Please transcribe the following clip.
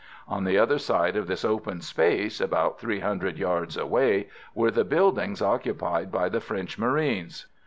On the other side of this open space, about 300 yards away, were the buildings occupied by the French marines.